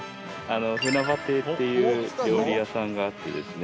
ふなば亭っていう料理屋さんがあってですね。